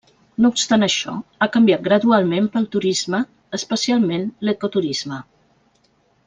No obstant això, ha canviat gradualment pel turisme, especialment l'ecoturisme.